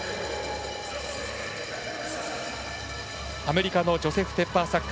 アメリカのジョセフ・ペッパーサック。